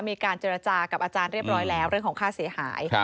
มีการเจรจากับอาจารย์เรียบร้อยแล้วเรื่องของค่าเสียหาย